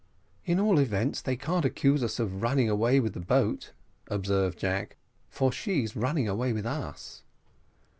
"At all events, they can't accuse us of running away with the boat," observed Jack; "for she's running away with us."